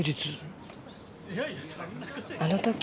あの時。